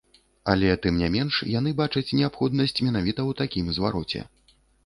Але тым не менш, яны бачаць неабходнасць менавіта ў такім звароце.